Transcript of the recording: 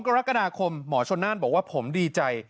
กรกฎาคมหมอชนน่านบอกว่าผมดีใจ